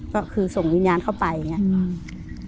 ก็คือส่งวิญญาณเข้าไปอย่างนี้